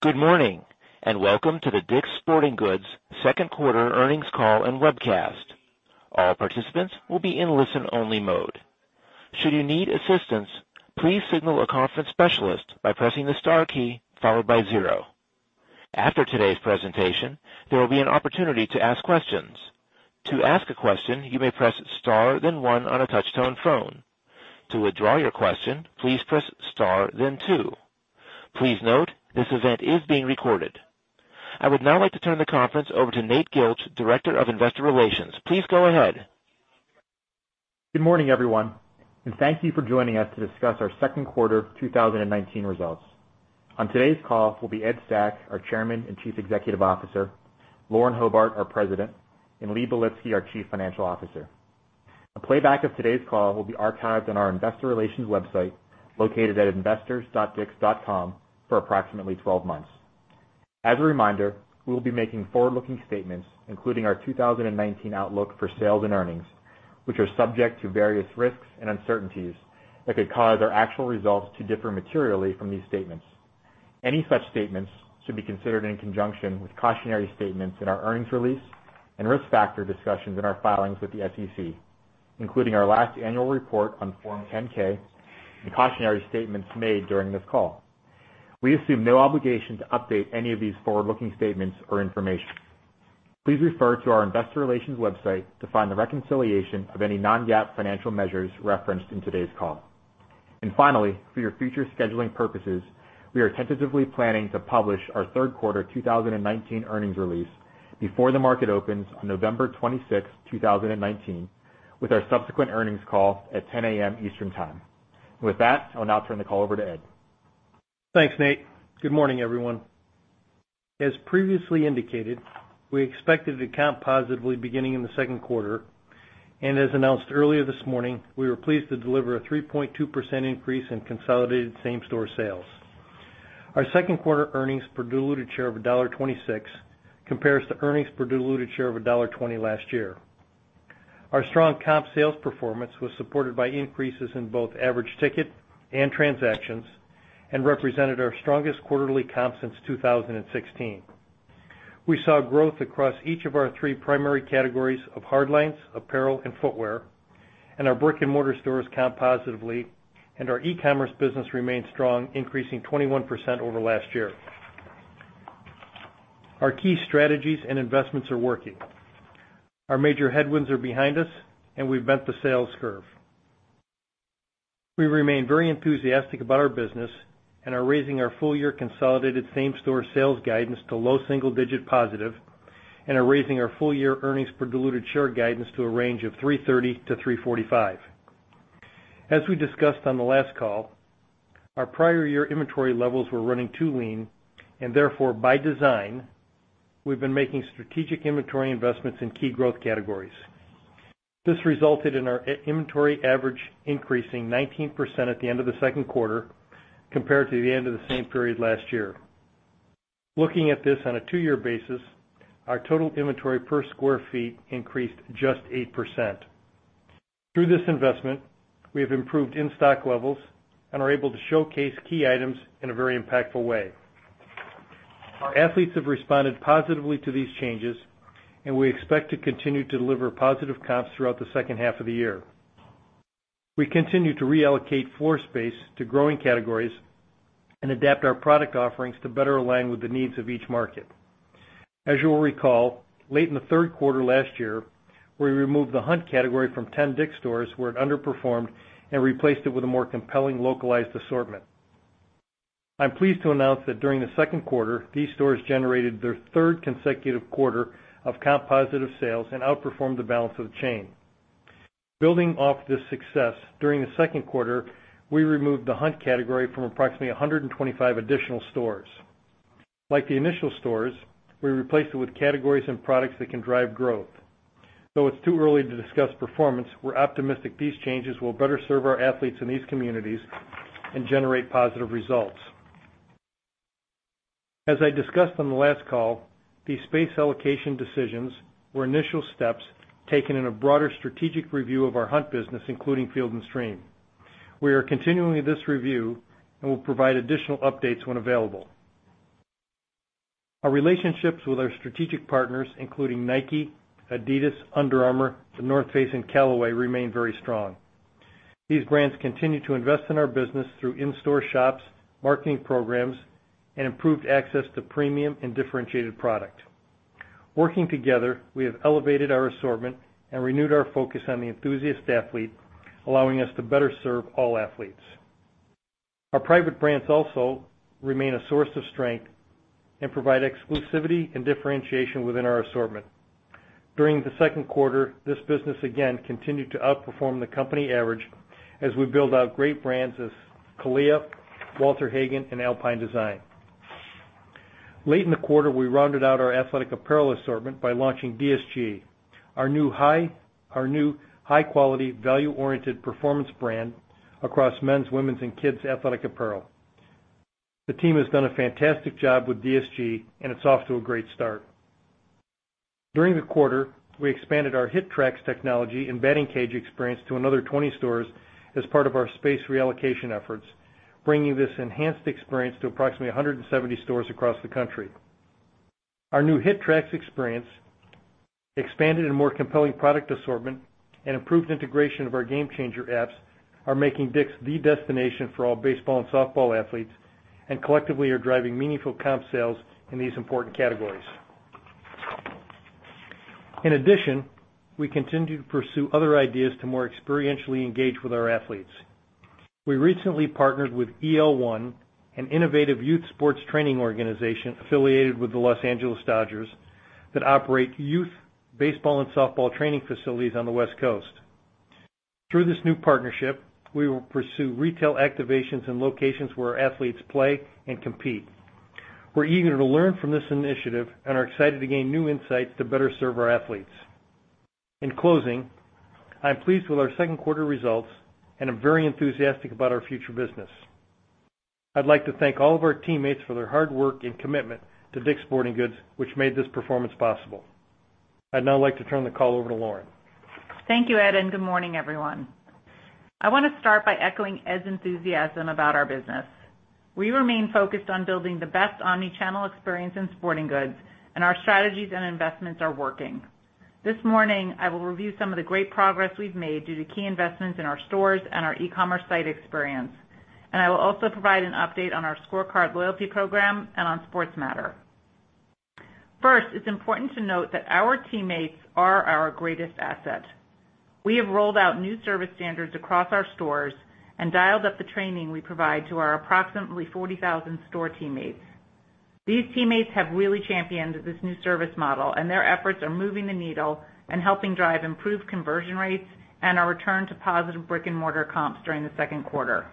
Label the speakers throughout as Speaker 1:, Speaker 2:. Speaker 1: Good morning, welcome to the DICK'S Sporting Goods second quarter earnings call and webcast. All participants will be in listen only mode. Should you need assistance, please signal a conference specialist by pressing the star key followed by zero. After today's presentation, there will be an opportunity to ask questions. To ask a question, you may press star, then one on a touch-tone phone. To withdraw your question, please press star, then two. Please note, this event is being recorded. I would now like to turn the conference over to Nate Gilch, Director of Investor Relations. Please go ahead.
Speaker 2: Good morning, everyone, and thank you for joining us to discuss our second quarter 2019 results. On today's call will be Ed Stack, our Chairman and Chief Executive Officer, Lauren Hobart, our President, and Lee Belitsky, our Chief Financial Officer. A playback of today's call will be archived on our investor relations website, located at investors.dicks.com for approximately 12 months. As a reminder, we'll be making forward-looking statements, including our 2019 outlook for sales and earnings, which are subject to various risks and uncertainties that could cause our actual results to differ materially from these statements. Any such statements should be considered in conjunction with cautionary statements in our earnings release and risk factor discussions in our filings with the SEC, including our last annual report on Form 10-K and cautionary statements made during this call. We assume no obligation to update any of these forward-looking statements or information. Please refer to our investor relations website to find the reconciliation of any non-GAAP financial measures referenced in today's call. Finally, for your future scheduling purposes, we are tentatively planning to publish our third quarter 2019 earnings release before the market opens on November 26, 2019, with our subsequent earnings call at 10:00 A.M. Eastern Time. With that, I'll now turn the call over to Ed.
Speaker 3: Thanks, Nate. Good morning, everyone. As previously indicated, we expected to comp positively beginning in the second quarter, and as announced earlier this morning, we were pleased to deliver a 3.2% increase in consolidated same-store sales. Our second quarter earnings per diluted share of $1.26 compares to earnings per diluted share of $1.20 last year. Our strong comp sales performance was supported by increases in both average ticket and transactions and represented our strongest quarterly comp since 2016. We saw growth across each of our three primary categories of hardlines, apparel, and footwear, and our brick-and-mortar stores comp positively, and our e-commerce business remains strong, increasing 21% over last year. Our key strategies and investments are working. Our major headwinds are behind us, and we've bent the sales curve. We remain very enthusiastic about our business and are raising our full-year consolidated same-store sales guidance to low single-digit positive and are raising our full-year earnings per diluted share guidance to a range of $3.30-$3.45. As we discussed on the last call, our prior-year inventory levels were running too lean. Therefore, by design, we've been making strategic inventory investments in key growth categories. This resulted in our inventory average increasing 19% at the end of the second quarter compared to the end of the same period last year. Looking at this on a two-year basis, our total inventory per square feet increased just 8%. Through this investment, we have improved in-stock levels and are able to showcase key items in a very impactful way. Our athletes have responded positively to these changes, and we expect to continue to deliver positive comps throughout the second half of the year. We continue to reallocate floor space to growing categories and adapt our product offerings to better align with the needs of each market. As you will recall, late in the third quarter last year, we removed the hunt category from 10 DICK'S stores where it underperformed and replaced it with a more compelling localized assortment. I'm pleased to announce that during the second quarter, these stores generated their third consecutive quarter of comp positive sales and outperformed the balance of the chain. Building off this success, during the second quarter, we removed the hunt category from approximately 125 additional stores. Like the initial stores, we replaced it with categories and products that can drive growth. Though it's too early to discuss performance, we're optimistic these changes will better serve our athletes in these communities and generate positive results. As I discussed on the last call, these space allocation decisions were initial steps taken in a broader strategic review of our hunt business, including Field & Stream. We are continuing this review and will provide additional updates when available. Our relationships with our strategic partners, including Nike, Adidas, Under Armour, The North Face, and Callaway, remain very strong. These brands continue to invest in our business through in-store shops, marketing programs, and improved access to premium and differentiated product. Working together, we have elevated our assortment and renewed our focus on the enthusiast athlete, allowing us to better serve all athletes. Our private brands also remain a source of strength and provide exclusivity and differentiation within our assortment. During the second quarter, this business again continued to outperform the company average as we build out great brands as CALIA, Walter Hagen, and Alpine Design. Late in the quarter, we rounded out our athletic apparel assortment by launching DSG, our new high-quality, value-oriented performance brand across men's, women's, and kids' athletic apparel. The team has done a fantastic job with DSG, and it's off to a great start. During the quarter, we expanded our HitTrax technology and batting cage experience to another 20 stores as part of our space reallocation efforts, bringing this enhanced experience to approximately 170 stores across the country. Our new HitTrax experience expanded a more compelling product assortment and improved integration of our GameChanger apps are making DICK'S the destination for all baseball and softball athletes, and collectively are driving meaningful comp sales in these important categories. In addition, we continue to pursue other ideas to more experientially engage with our athletes. We recently partnered with EL1, an innovative youth sports training organization affiliated with the Los Angeles Dodgers that operate youth baseball and softball training facilities on the West Coast. Through this new partnership, we will pursue retail activations in locations where our athletes play and compete. We're eager to learn from this initiative and are excited to gain new insights to better serve our athletes. In closing, I'm pleased with our second quarter results and am very enthusiastic about our future business. I'd like to thank all of our teammates for their hard work and commitment to DICK'S Sporting Goods, which made this performance possible. I'd now like to turn the call over to Lauren.
Speaker 4: Thank you, Ed. Good morning, everyone. I want to start by echoing Ed's enthusiasm about our business. We remain focused on building the best omnichannel experience in sporting goods, and our strategies and investments are working. This morning, I will review some of the great progress we've made due to key investments in our stores and our e-commerce site experience. I will also provide an update on our scorecard loyalty program and on Sports Matter. First, it's important to note that our teammates are our greatest asset. We have rolled out new service standards across our stores and dialed up the training we provide to our approximately 40,000 store teammates. These teammates have really championed this new service model, and their efforts are moving the needle and helping drive improved conversion rates and our return to positive brick-and-mortar comps during the second quarter.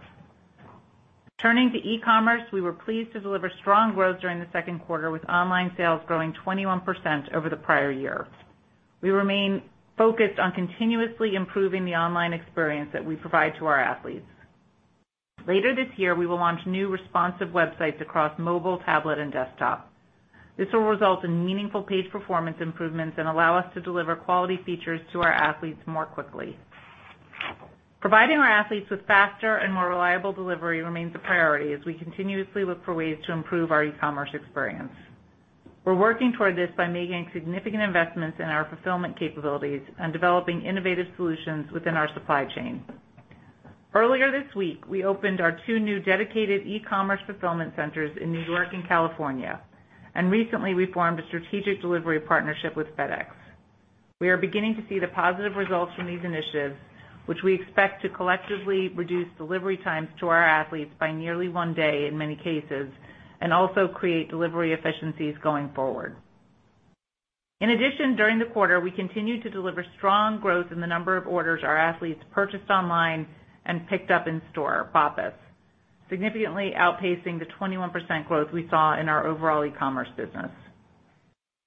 Speaker 4: Turning to e-commerce, we were pleased to deliver strong growth during the second quarter, with online sales growing 21% over the prior year. We remain focused on continuously improving the online experience that we provide to our athletes. Later this year, we will launch new responsive websites across mobile, tablet, and desktop. This will result in meaningful page performance improvements and allow us to deliver quality features to our athletes more quickly. Providing our athletes with faster and more reliable delivery remains a priority as we continuously look for ways to improve our e-commerce experience. We're working toward this by making significant investments in our fulfillment capabilities and developing innovative solutions within our supply chain. Earlier this week, we opened our two new dedicated e-commerce fulfillment centers in New York and California, and recently, we formed a strategic delivery partnership with FedEx. We are beginning to see the positive results from these initiatives, which we expect to collectively reduce delivery times to our athletes by nearly one day in many cases, and also create delivery efficiencies going forward. In addition, during the quarter, we continued to deliver strong growth in the number of orders our athletes purchased online and picked up in store, BOPIS, significantly outpacing the 21% growth we saw in our overall e-commerce business.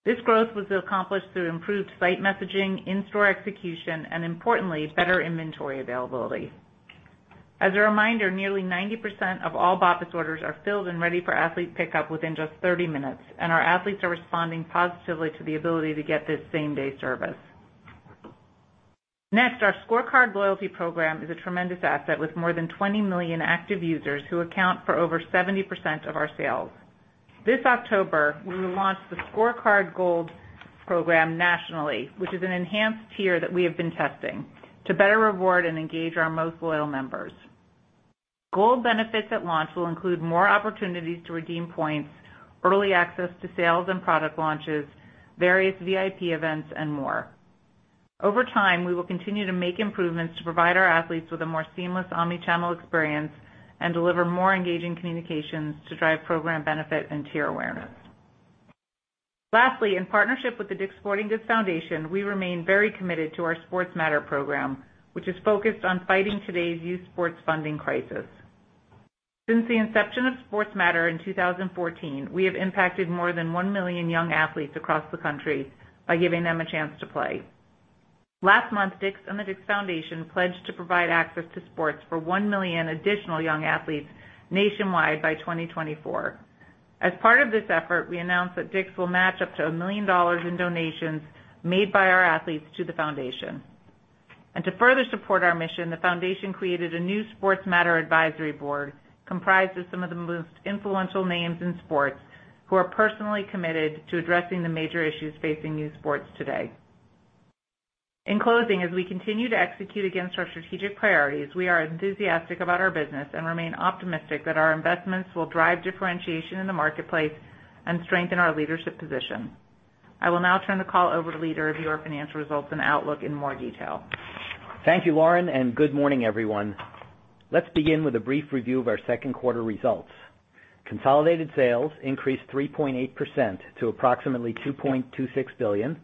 Speaker 4: This growth was accomplished through improved site messaging, in-store execution, and importantly, better inventory availability. As a reminder, nearly 90% of all BOPIS orders are filled and ready for athlete pickup within just 30 minutes, and our athletes are responding positively to the ability to get this same-day service. Next, our ScoreCard loyalty program is a tremendous asset with more than 20 million active users who account for over 70% of our sales. This October, we will launch the ScoreCard Gold program nationally, which is an enhanced tier that we have been testing to better reward and engage our most loyal members. Gold benefits at launch will include more opportunities to redeem points, early access to sales and product launches, various VIP events, and more. Over time, we will continue to make improvements to provide our athletes with a more seamless omnichannel experience and deliver more engaging communications to drive program benefit and tier awareness. Lastly, in partnership with the DICK'S Sporting Goods Foundation, we remain very committed to our Sports Matter program, which is focused on fighting today's youth sports funding crisis. Since the inception of Sports Matter in 2014, we have impacted more than 1 million young athletes across the country by giving them a chance to play. Last month, DICK'S and the DICK'S Foundation pledged to provide access to sports for 1 million additional young athletes nationwide by 2024. As part of this effort, we announced that DICK'S will match up to $1 million in donations made by our athletes to the Foundation. To further support our mission, the Foundation created a new Sports Matter advisory board comprised of some of the most influential names in sports, who are personally committed to addressing the major issues facing youth sports today. In closing, as we continue to execute against our strategic priorities, we are enthusiastic about our business and remain optimistic that our investments will drive differentiation in the marketplace and strengthen our leadership position. I will now turn the call over to Lee to review our financial results and outlook in more detail.
Speaker 5: Thank you, Lauren. Good morning, everyone. Let's begin with a brief review of our second quarter results. Consolidated sales increased 3.8% to approximately $2.26 billion.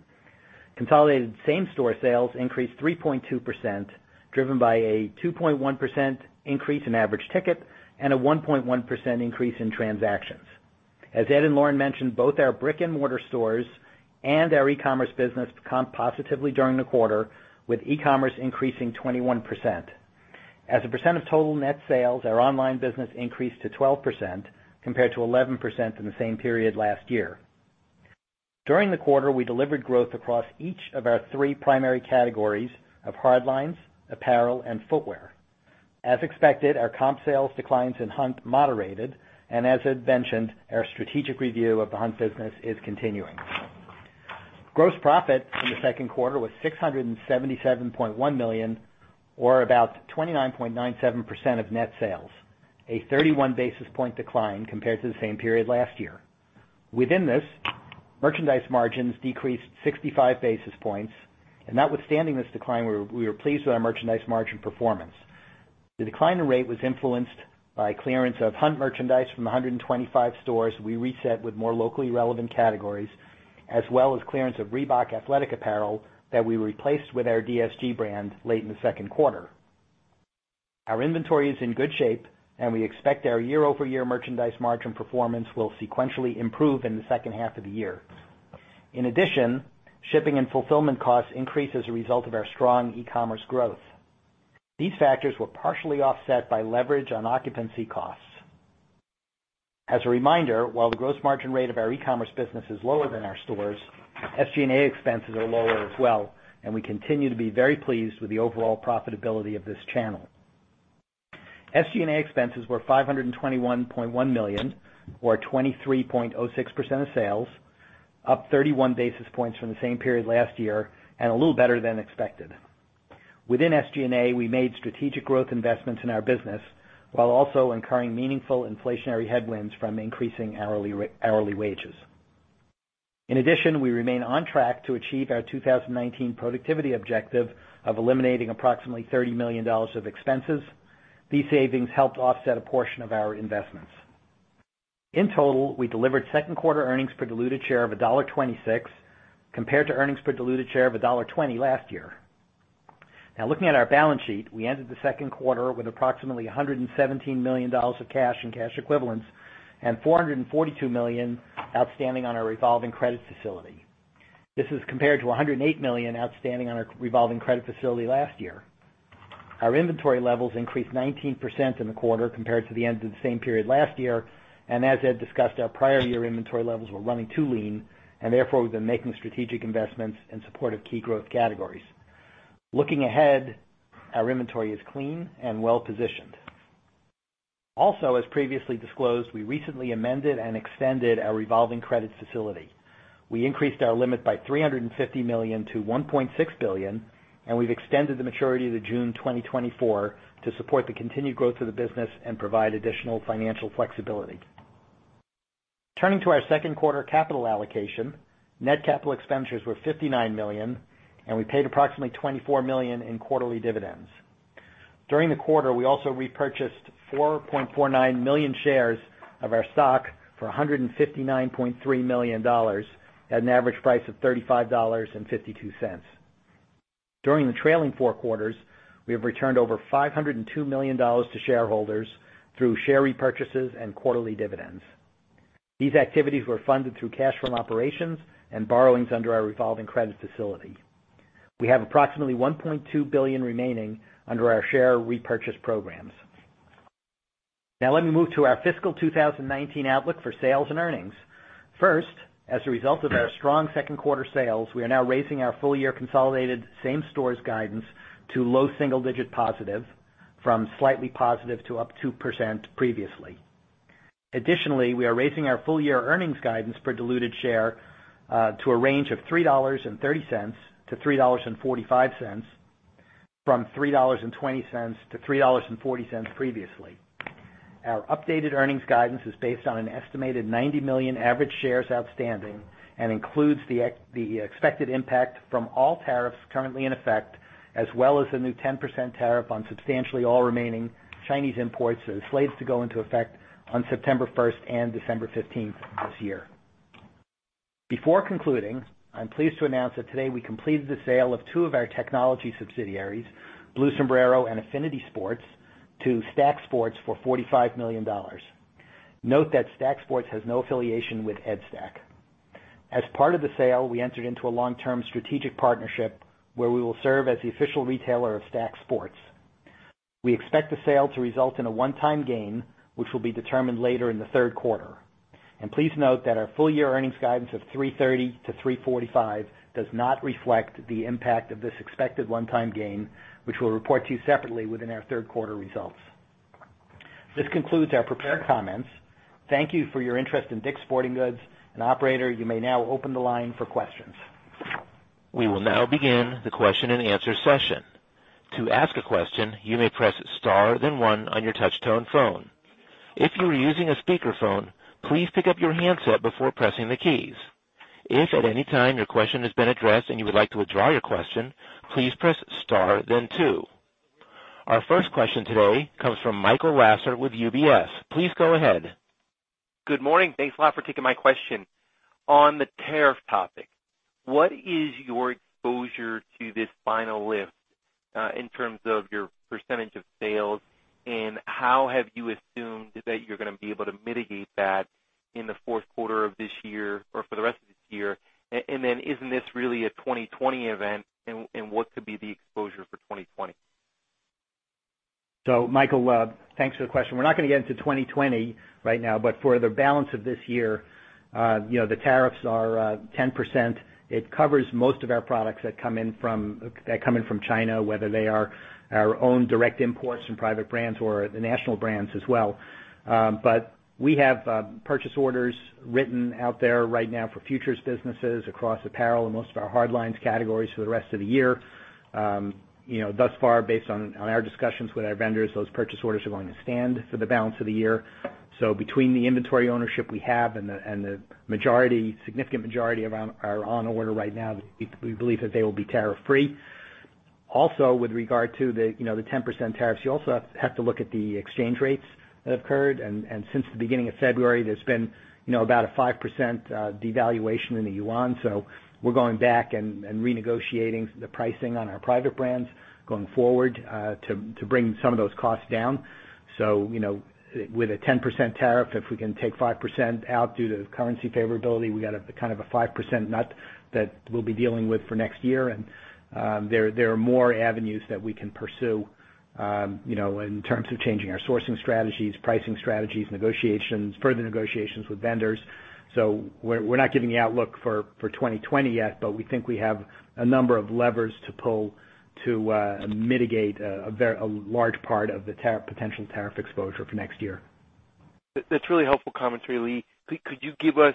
Speaker 5: Consolidated same-store sales increased 3.2%, driven by a 2.1% increase in average ticket and a 1.1% increase in transactions. As Ed and Lauren mentioned, both our brick-and-mortar stores and our e-commerce business comp positively during the quarter, with e-commerce increasing 21%. As a percent of total net sales, our online business increased to 12%, compared to 11% in the same period last year. During the quarter, we delivered growth across each of our 3 primary categories of hardlines, apparel, and footwear. As expected, our comp sales declines in Hunt moderated, and as Ed mentioned, our strategic review of the Hunt business is continuing. Gross profit in the second quarter was $677.1 million, or about 29.97% of net sales, a 31-basis point decline compared to the same period last year. Within this, merchandise margins decreased 65 basis points, and notwithstanding this decline, we were pleased with our merchandise margin performance. The decline in rate was influenced by clearance of Hunt merchandise from 125 stores we reset with more locally relevant categories, as well as clearance of Reebok athletic apparel that we replaced with our DSG brand late in the second quarter. Our inventory is in good shape, and we expect our year-over-year merchandise margin performance will sequentially improve in the second half of the year. In addition, shipping and fulfillment costs increased as a result of our strong e-commerce growth. These factors were partially offset by leverage on occupancy costs. As a reminder, while the gross margin rate of our e-commerce business is lower than our stores, SG&A expenses are lower as well, and we continue to be very pleased with the overall profitability of this channel. SG&A expenses were $521.1 million, or 23.06% of sales, up 31 basis points from the same period last year and a little better than expected. Within SG&A, we made strategic growth investments in our business while also incurring meaningful inflationary headwinds from increasing hourly wages. In addition, we remain on track to achieve our 2019 productivity objective of eliminating approximately $30 million of expenses. These savings helped offset a portion of our investments. In total, we delivered second quarter earnings per diluted share of $1.26, compared to earnings per diluted share of $1.20 last year. Looking at our balance sheet, we ended the second quarter with approximately $117 million of cash and cash equivalents and $442 million outstanding on our revolving credit facility. This is compared to $108 million outstanding on our revolving credit facility last year. Our inventory levels increased 19% in the quarter compared to the end of the same period last year. As Ed discussed, our prior year inventory levels were running too lean, and therefore, we've been making strategic investments in support of key growth categories. Looking ahead, our inventory is clean and well-positioned. As previously disclosed, we recently amended and extended our revolving credit facility. We increased our limit by $350 million to $1.6 billion. We've extended the maturity to June 2024 to support the continued growth of the business and provide additional financial flexibility. Turning to our second quarter capital allocation, net capital expenditures were $59 million, and we paid approximately $24 million in quarterly dividends. During the quarter, we also repurchased 4.49 million shares of our stock for $159.3 million at an average price of $35.52. During the trailing four quarters, we have returned over $502 million to shareholders through share repurchases and quarterly dividends. These activities were funded through cash from operations and borrowings under our revolving credit facility. We have approximately $1.2 billion remaining under our share repurchase programs. Now let me move to our fiscal 2019 outlook for sales and earnings. First, as a result of our strong second quarter sales, we are now raising our full-year consolidated same stores guidance to low single-digit positive from slightly positive to up 2% previously. Additionally, we are raising our full-year earnings guidance per diluted share to a range of $3.30-$3.45 from $3.20-$3.40 previously. Our updated earnings guidance is based on an estimated 90 million average shares outstanding and includes the expected impact from all tariffs currently in effect, as well as the new 10% tariff on substantially all remaining Chinese imports that is slated to go into effect on September 1st and December 15th this year. Before concluding, I'm pleased to announce that today we completed the sale of two of our technology subsidiaries, Blue Sombrero and Affinity Sports, to Stack Sports for $45 million. Note that Stack Sports has no affiliation with Ed Stack. As part of the sale, we entered into a long-term strategic partnership where we will serve as the official retailer of Stack Sports. We expect the sale to result in a one-time gain, which will be determined later in the third quarter. Please note that our full-year earnings guidance of $3.30 to $3.45 does not reflect the impact of this expected one-time gain, which we'll report to you separately within our third quarter results. This concludes our prepared comments. Thank you for your interest in DICK'S Sporting Goods. Operator, you may now open the line for questions.
Speaker 1: We will now begin the question and answer session. To ask a question, you may press star, then one on your touch-tone phone. If you are using a speakerphone, please pick up your handset before pressing the keys. If at any time your question has been addressed and you would like to withdraw your question, please press star then two. Our first question today comes from Michael Lasser with UBS. Please go ahead.
Speaker 6: Good morning. Thanks a lot for taking my question. On the tariff topic, what is your exposure to this final List, in terms of your percentage of sales? How have you assumed that you're going to be able to mitigate that in the fourth quarter of this year or for the rest of this year? Isn't this really a 2020 event and what could be the exposure for 2020?
Speaker 5: Michael, thanks for the question. We're not going to get into 2020 right now, for the balance of this year, the tariffs are 10%. It covers most of our products that come in from China, whether they are our own direct imports from private brands or the national brands as well. We have purchase orders written out there right now for futures businesses across apparel and most of our hardlines categories for the rest of the year. Thus far based on our discussions with our vendors, those purchase orders are going to stand for the balance of the year. Between the inventory ownership we have and the significant majority are on order right now, we believe that they will be tariff free. Also with regard to the 10% tariffs, you also have to look at the exchange rates that have occurred. Since the beginning of February, there's been about a 5% devaluation in the yuan. We're going back and renegotiating the pricing on our private brands going forward, to bring some of those costs down. With a 10% tariff, if we can take 5% out due to the currency favorability, we got a kind of a 5% nut that we'll be dealing with for next year. There are more avenues that we can pursue, in terms of changing our sourcing strategies, pricing strategies, further negotiations with vendors. We're not giving the outlook for 2020 yet, but we think we have a number of levers to pull to mitigate a large part of the potential tariff exposure for next year.
Speaker 6: That's really helpful commentary, Lee. Could you give us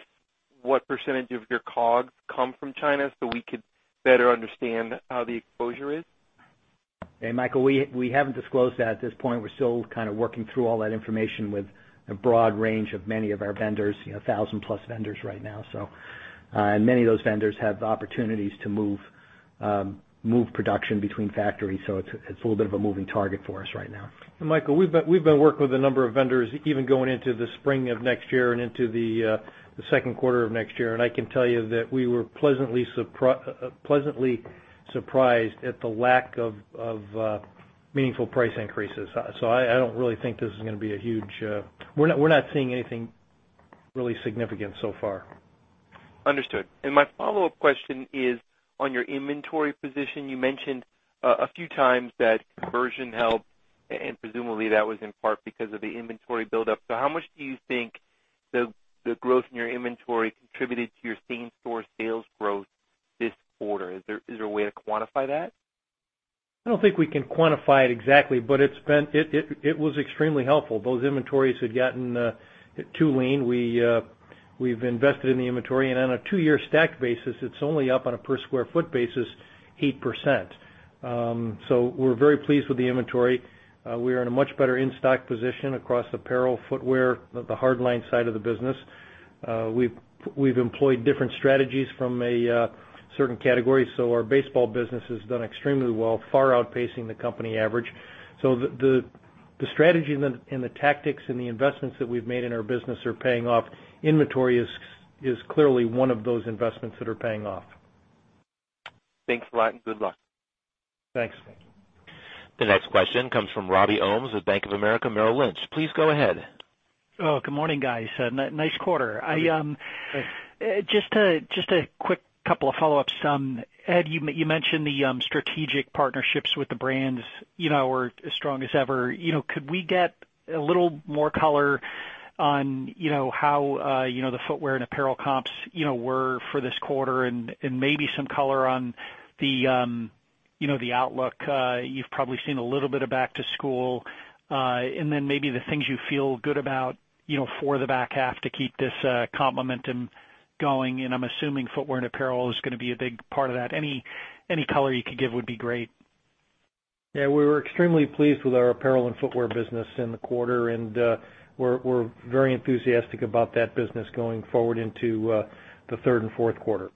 Speaker 6: what % of your COGS come from China so we could better understand how the exposure is?
Speaker 5: Hey, Michael, we haven't disclosed that at this point. We're still kind of working through all that information with a broad range of many of our vendors, 1,000 plus vendors right now. Many of those vendors have the opportunities to move production between factories. It's a little bit of a moving target for us right now.
Speaker 3: Michael, we've been working with a number of vendors even going into the spring of next year and into the second quarter of next year. I can tell you that we were pleasantly surprised at the lack of meaningful price increases. I don't really think this is going to be a huge. We're not seeing anything really significant so far.
Speaker 6: Understood. My follow-up question is on your inventory position. You mentioned a few times that conversion helped, and presumably that was in part because of the inventory buildup. How much do you think the growth in your inventory contributed to your same store sales growth this quarter? Is there a way to quantify that?
Speaker 3: I don't think we can quantify it exactly, but it was extremely helpful. Those inventories had gotten too lean. We've invested in the inventory and on a two-year stacked basis, it's only up on a per square foot basis, 8%. We're very pleased with the inventory. We are in a much better in-stock position across apparel, footwear, the hardlines side of the business. We've employed different strategies from a certain category. Our baseball business has done extremely well, far outpacing the company average. The strategy and the tactics and the investments that we've made in our business are paying off. Inventory is clearly one of those investments that are paying off.
Speaker 6: Thanks a lot and good luck.
Speaker 3: Thanks.
Speaker 5: Thank you.
Speaker 1: The next question comes from Robert Ohmes with Bank of America Merrill Lynch. Please go ahead.
Speaker 7: Good morning guys. Nice quarter.
Speaker 3: Thanks.
Speaker 7: Just a quick couple of follow-ups. Ed, you mentioned the strategic partnerships with the brands are as strong as ever. Could we get a little more color on how the footwear and apparel comps were for this quarter and maybe some color on the outlook. You've probably seen a little bit of back to school. Maybe the things you feel good about for the back half to keep this comp momentum going, and I'm assuming footwear and apparel is going to be a big part of that. Any color you could give would be great.
Speaker 3: Yeah, we were extremely pleased with our apparel and footwear business in the quarter, and we're very enthusiastic about that business going forward into the third and fourth quarter.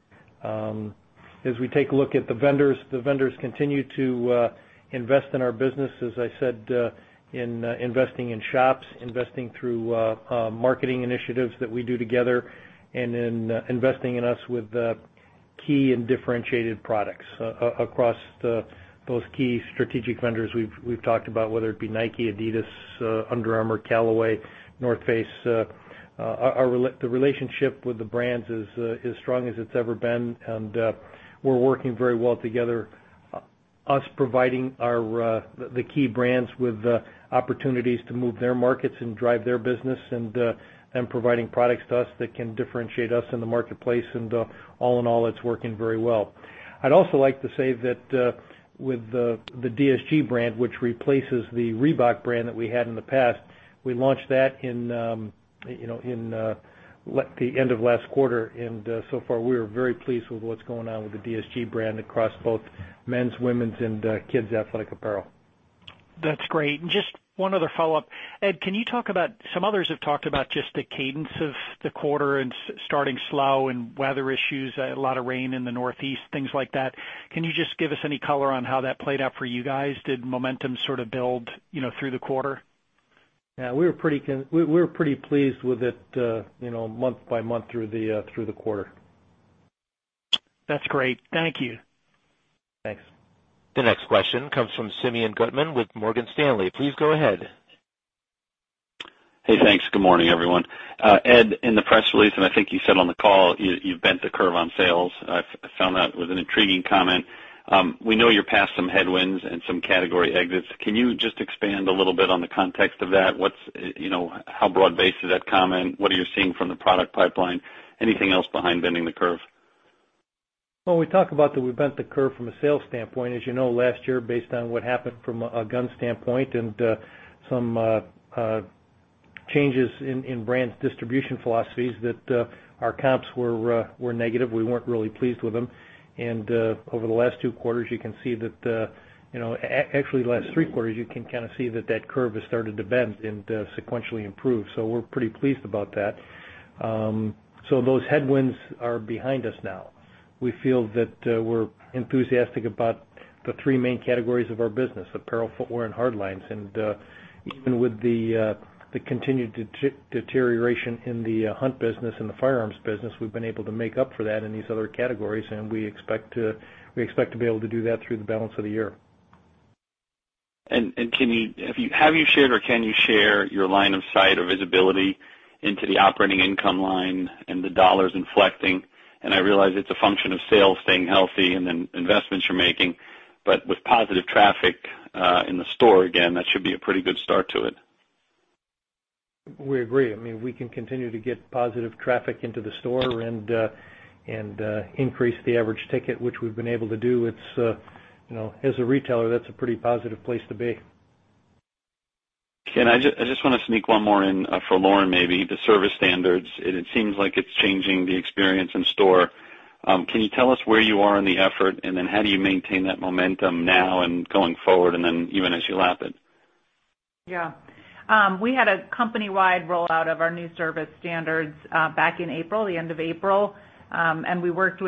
Speaker 3: As we take a look at the vendors, the vendors continue to invest in our business, as I said, in investing in shops, investing through marketing initiatives that we do together, and in investing in us with key and differentiated products. Across those key strategic vendors we've talked about, whether it be Nike, Adidas, Under Armour, Callaway, North Face. The relationship with the brands is as strong as it's ever been. We're working very well together. Us providing the key brands with opportunities to move their markets and drive their business and them providing products to us that can differentiate us in the marketplace and all in all, it's working very well. I'd also like to say that with the DSG brand, which replaces the Reebok brand that we had in the past, we launched that in the end of last quarter, and so far we are very pleased with what's going on with the DSG brand across both men's, women's, and kids' athletic apparel.
Speaker 7: That's great. Just one other follow-up. Ed, some others have talked about just the cadence of the quarter and starting slow and weather issues, a lot of rain in the Northeast, things like that. Can you just give us any color on how that played out for you guys? Did momentum sort of build through the quarter?
Speaker 3: Yeah, we were pretty pleased with it month by month through the quarter.
Speaker 7: That's great. Thank you.
Speaker 3: Thanks.
Speaker 1: The next question comes from Simeon Gutman with Morgan Stanley. Please go ahead.
Speaker 8: Hey, thanks. Good morning, everyone. Ed, in the press release, and I think you said on the call, you bent the curve on sales. I found that was an intriguing comment. We know you're past some headwinds and some category exits. Can you just expand a little bit on the context of that? How broad-based is that comment? What are you seeing from the product pipeline? Anything else behind bending the curve?
Speaker 3: Well, we talk about that we bent the curve from a sales standpoint. As you know, last year, based on what happened from a gun standpoint and some changes in brands distribution philosophies that our comps were negative. We weren't really pleased with them. Over the last two quarters, you can see actually, the last three quarters, you can kind of see that curve has started to bend and sequentially improve. We're pretty pleased about that. Those headwinds are behind us now. We feel that we're enthusiastic about the three main categories of our business: apparel, footwear, and hardlines. Even with the continued deterioration in the hunt business and the firearms business, we've been able to make up for that in these other categories, and we expect to be able to do that through the balance of the year.
Speaker 8: Have you shared or can you share your line of sight or visibility into the operating income line and the dollars inflecting? I realize it's a function of sales staying healthy and then investments you're making, but with positive traffic in the store, again, that should be a pretty good start to it.
Speaker 3: We agree. We can continue to get positive traffic into the store and increase the average ticket, which we've been able to do. As a retailer, that's a pretty positive place to be.
Speaker 8: I just want to sneak one more in for Lauren, maybe. The service standards, and it seems like it's changing the experience in store. Can you tell us where you are in the effort, and then how do you maintain that momentum now and going forward, and then even as you lap it?
Speaker 4: Yeah. We had a company-wide rollout of our new service standards back in April, the end of April. We worked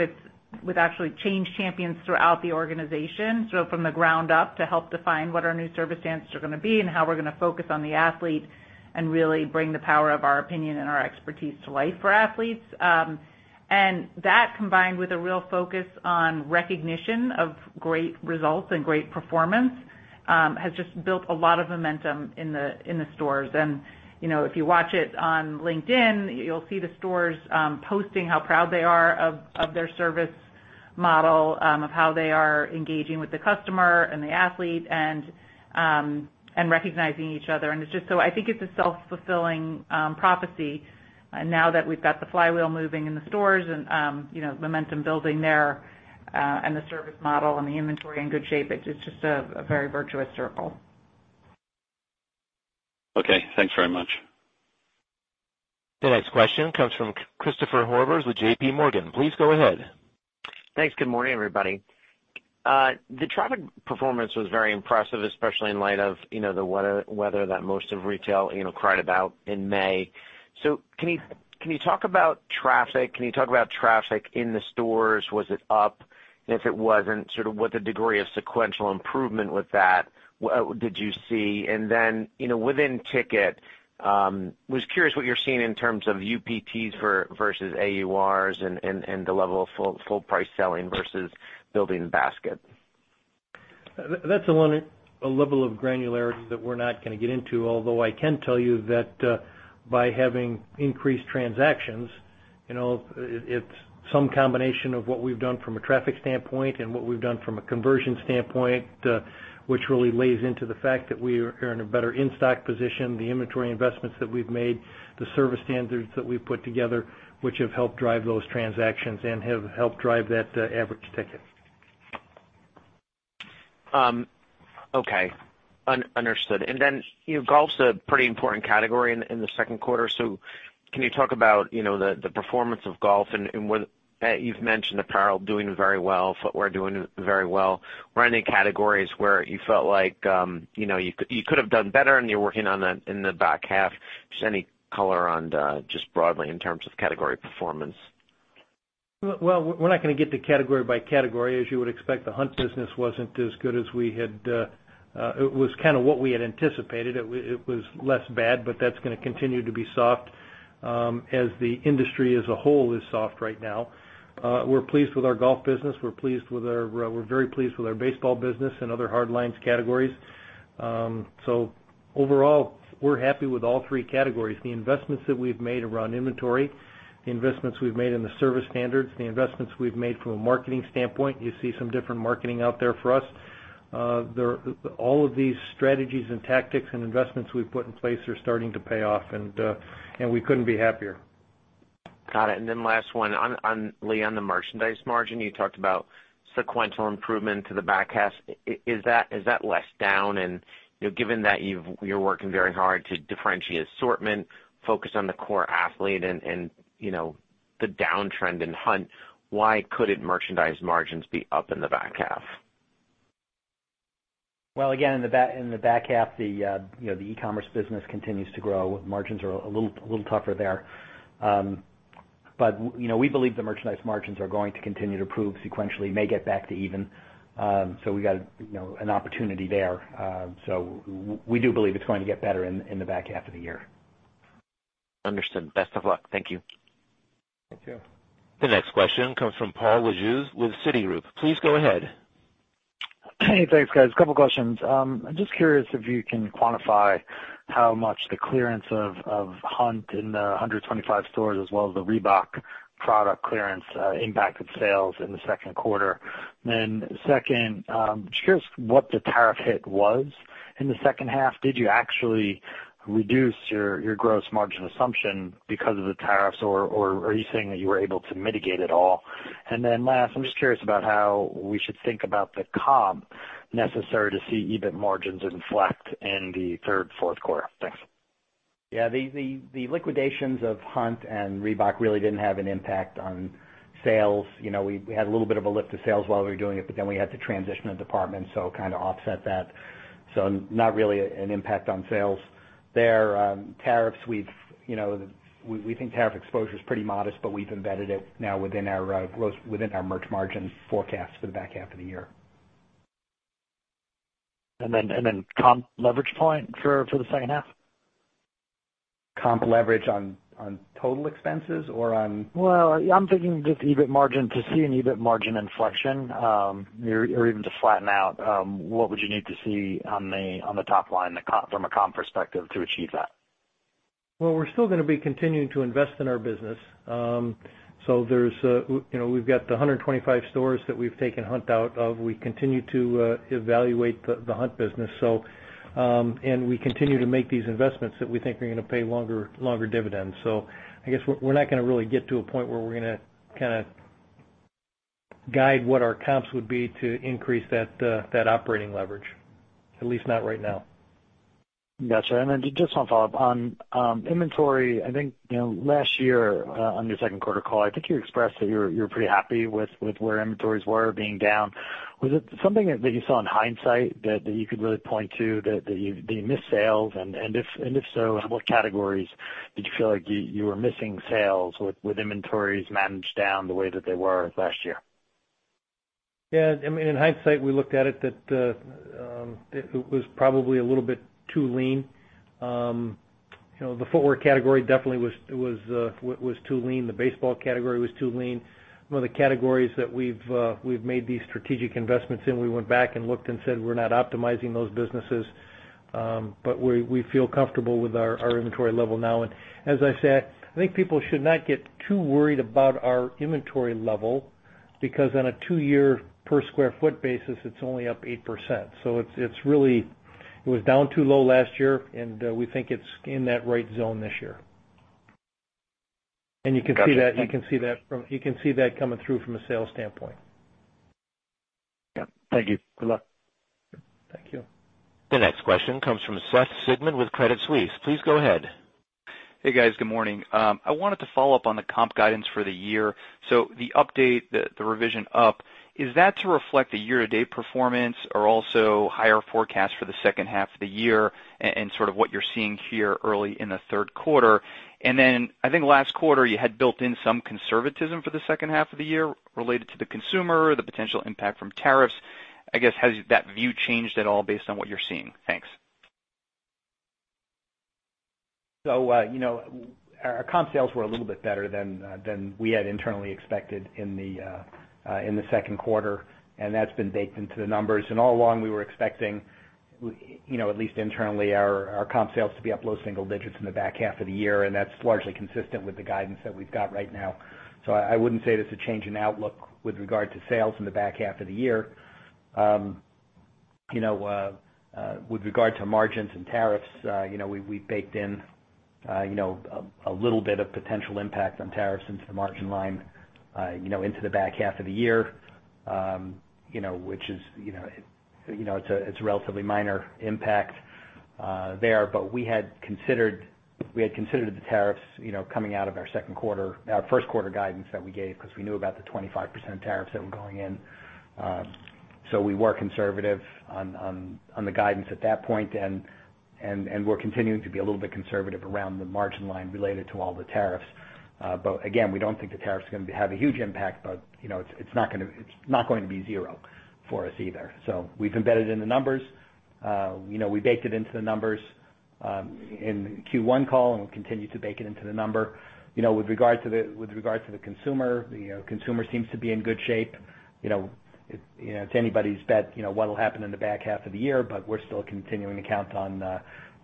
Speaker 4: with actually change champions throughout the organization, so from the ground up, to help define what our new service standards are going to be and how we're going to focus on the athlete and really bring the power of our opinion and our expertise to life for athletes. That, combined with a real focus on recognition of great results and great performance, has just built a lot of momentum in the stores. If you watch it on LinkedIn, you'll see the stores posting how proud they are of their service model, of how they are engaging with the customer and the athlete, and recognizing each other. I think it's a self-fulfilling prophecy now that we've got the flywheel moving in the stores and momentum building there, and the service model and the inventory in good shape. It's just a very virtuous circle.
Speaker 8: Okay. Thanks very much.
Speaker 1: The next question comes from Christopher Horvers with JPMorgan. Please go ahead.
Speaker 9: Thanks. Good morning, everybody. The traffic performance was very impressive, especially in light of the weather that most of retail cried about in May. Can you talk about traffic? Can you talk about traffic in the stores? Was it up? If it wasn't, sort of what the degree of sequential improvement with that did you see? Within ticket, was curious what you're seeing in terms of UPTs versus AURs and the level of full price selling versus building basket.
Speaker 3: That's a level of granularity that we're not going to get into. Although I can tell you that by having increased transactions, it's some combination of what we've done from a traffic standpoint and what we've done from a conversion standpoint, which really lays into the fact that we are in a better in-stock position. The inventory investments that we've made, the service standards that we've put together, which have helped drive those transactions and have helped drive that average ticket.
Speaker 9: Okay. Understood. Golf's a pretty important category in the second quarter. Can you talk about the performance of golf and you've mentioned apparel doing very well, footwear doing very well? Were any categories where you felt like you could've done better and you're working on that in the back half? Just any color on just broadly in terms of category performance?
Speaker 3: Well, we're not going to get to category by category. As you would expect, the hunt business wasn't as good as what we had anticipated. That's going to continue to be soft, as the industry as a whole is soft right now. We're pleased with our golf business. We're very pleased with our baseball business and other hardlines categories. Overall, we're happy with all three categories. The investments that we've made around inventory, the investments we've made in the service standards, the investments we've made from a marketing standpoint, you see some different marketing out there for us. All of these strategies and tactics and investments we've put in place are starting to pay off, we couldn't be happier.
Speaker 9: Got it. Last one. On, Lee, on the merchandise margin, you talked about sequential improvement to the back half. Is that less down? Given that you're working very hard to differentiate assortment, focus on the core athlete and the downtrend in hunt, why couldn't merchandise margins be up in the back half?
Speaker 5: Again, in the back half, the e-commerce business continues to grow. Margins are a little tougher there. We believe the merchandise margins are going to continue to improve sequentially, may get back to even. We got an opportunity there. We do believe it's going to get better in the back half of the year.
Speaker 9: Understood. Best of luck. Thank you.
Speaker 3: Thank you.
Speaker 1: The next question comes from Paul Lejuez with Citigroup. Please go ahead.
Speaker 10: Thanks, guys. A couple questions. I am just curious if you can quantify how much the clearance of Hunt in the 125 stores as well as the Reebok product clearance impacted sales in the second quarter. Second, just curious what the tariff hit was in the second half. Did you actually reduce your gross margin assumption because of the tariffs, or are you saying that you were able to mitigate it all? Last, I am just curious about how we should think about the comp necessary to see EBIT margins inflect in the third, fourth quarter. Thanks.
Speaker 5: Yeah, the liquidations of Hunt and Reebok really didn't have an impact on sales. We had a little bit of a lift of sales while we were doing it, but then we had to transition the department, so it kind of offset that. Not really an impact on sales there. Tariffs, we think tariff exposure is pretty modest, but we've embedded it now within our merch margin forecast for the back half of the year.
Speaker 10: Comp leverage point for the second half?
Speaker 5: Comp leverage on total expenses or.
Speaker 10: Well, I'm thinking just EBIT margin. To see an EBIT margin inflection, or even to flatten out, what would you need to see on the top line from a comp perspective to achieve that?
Speaker 3: Well, we're still going to be continuing to invest in our business. We've got the 125 stores that we've taken Hunt out of. We continue to evaluate the Hunt business. We continue to make these investments that we think are going to pay longer dividends. I guess we're not going to really get to a point where we're going to kind of guide what our comps would be to increase that operating leverage, at least not right now.
Speaker 10: Got you. Just one follow-up. On inventory, I think last year, on your second quarter call, I think you expressed that you were pretty happy with where inventories were being down. Was it something that you saw in hindsight that you could really point to that you missed sales? If so, in what categories did you feel like you were missing sales with inventories managed down the way that they were last year?
Speaker 3: Yeah. In hindsight, we looked at it that it was probably a little bit too lean. The footwear category definitely was too lean. The baseball category was too lean. Some of the categories that we've made these strategic investments in, we went back and looked and said we're not optimizing those businesses. We feel comfortable with our inventory level now. As I said, I think people should not get too worried about our inventory level, because on a two-year per square foot basis, it's only up 8%. It was down too low last year, and we think it's in that right zone this year. You can see that.
Speaker 10: Got you. Thank you.
Speaker 3: coming through from a sales standpoint.
Speaker 10: Yeah. Thank you. Good luck.
Speaker 3: Thank you.
Speaker 1: The next question comes from Seth Sigman with Credit Suisse. Please go ahead.
Speaker 11: Hey, guys. Good morning. I wanted to follow up on the comp guidance for the year. The update, the revision up, is that to reflect the year-to-date performance or also higher forecast for the second half of the year and sort of what you're seeing here early in the third quarter? I think last quarter, you had built in some conservatism for the second half of the year related to the consumer, the potential impact from tariffs. I guess, has that view changed at all based on what you're seeing? Thanks.
Speaker 5: Our comp sales were a little bit better than we had internally expected in the second quarter, and that's been baked into the numbers. All along, we were expecting, at least internally, our comp sales to be up low single digits in the back half of the year, and that's largely consistent with the guidance that we've got right now. I wouldn't say it's a change in outlook with regard to sales in the back half of the year. With regard to margins and tariffs, we baked in a little bit of potential impact on tariffs into the margin line into the back half of the year, which it's a relatively minor impact there. We had considered the tariffs coming out of our first quarter guidance that we gave because we knew about the 25% tariffs that were going in. We were conservative on the guidance at that point, and we're continuing to be a little bit conservative around the margin line related to all the tariffs. Again, we don't think the tariff is going to have a huge impact, but it's not going to be zero for us either. We've embedded in the numbers. We baked it into the numbers in Q1 call, and we'll continue to bake it into the number. With regard to the consumer seems to be in good shape. It's anybody's bet what will happen in the back half of the year, but we're still continuing to count on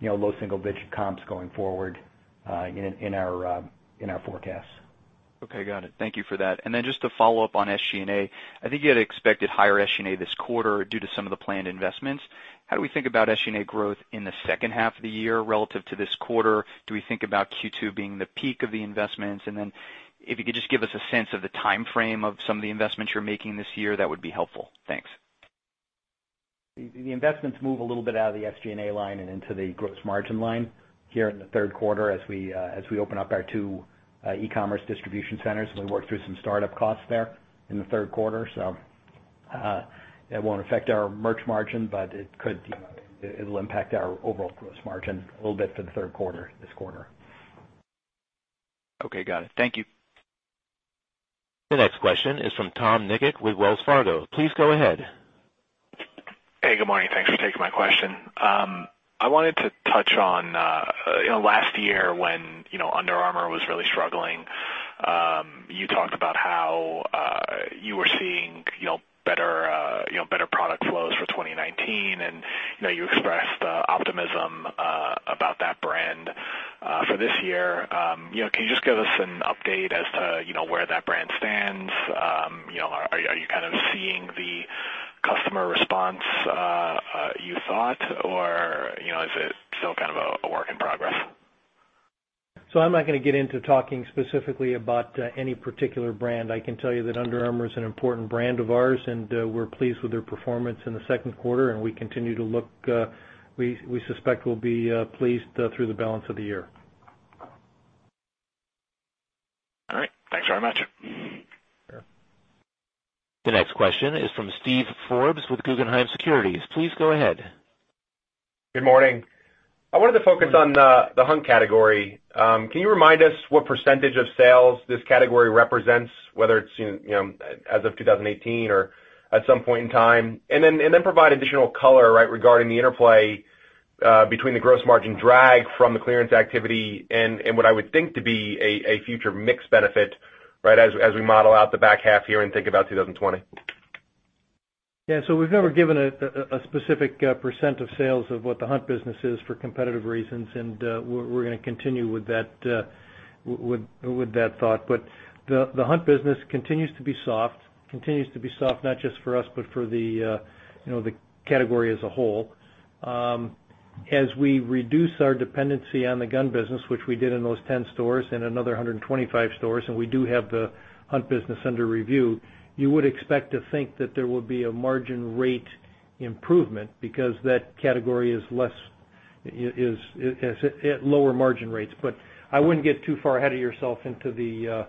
Speaker 5: low single-digit comps going forward in our forecasts.
Speaker 11: Okay, got it. Thank you for that. Just to follow up on SG&A. I think you had expected higher SG&A this quarter due to some of the planned investments. How do we think about SG&A growth in the second half of the year relative to this quarter? Do we think about Q2 being the peak of the investments? If you could just give us a sense of the timeframe of some of the investments you're making this year, that would be helpful. Thanks.
Speaker 5: The investments move a little bit out of the SG&A line and into the gross margin line here in the third quarter as we open up our two e-commerce distribution centers, and we work through some startup costs there in the third quarter. It won't affect our merch margin, but it'll impact our overall gross margin a little bit for the third quarter, this quarter.
Speaker 11: Okay, got it. Thank you.
Speaker 1: The next question is from Tom Nikic with Wells Fargo. Please go ahead.
Speaker 12: Hey, good morning. Thanks for taking my question. I wanted to touch on, last year when Under Armour was really struggling, you talked about how you were seeing better product flows for 2019, and you expressed optimism about that brand for this year. Can you just give us an update as to where that brand stands? Are you kind of seeing the customer response you thought, or is it still kind of a work in progress?
Speaker 3: I'm not going to get into talking specifically about any particular brand. I can tell you that Under Armour is an important brand of ours, and we're pleased with their performance in the second quarter, and we continue to look. We suspect we'll be pleased through the balance of the year.
Speaker 12: All right. Thanks very much.
Speaker 3: Sure.
Speaker 1: The next question is from Steven Forbes with Guggenheim Securities. Please go ahead.
Speaker 13: Good morning. I wanted to focus on the hunt category. Can you remind us what % of sales this category represents, whether it's as of 2018 or at some point in time? Then provide additional color, regarding the interplay between the gross margin drag from the clearance activity and what I would think to be a future mix benefit, as we model out the back half here and think about 2020.
Speaker 3: Yeah. We've never given a specific % of sales of what the hunt business is for competitive reasons, and we're going to continue with that thought. The hunt business continues to be soft. Continues to be soft, not just for us, but for the category as a whole. As we reduce our dependency on the gun business, which we did in those 10 stores and another 125 stores, and we do have the hunt business under review. You would expect to think that there will be a margin rate improvement because that category is at lower margin rates. I wouldn't get too far ahead of yourself into the